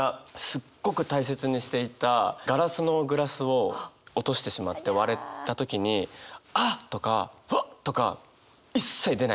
すっごく大切にしていたガラスのグラスを落としてしまって割れた時に「あっ！」とか「ハッ！」とか一切出ないですね。